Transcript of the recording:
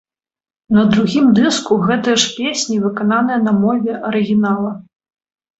На другім дыску гэтыя ж песні выкананыя на мове арыгінала.